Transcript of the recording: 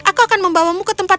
aku akan membawamu ke tempat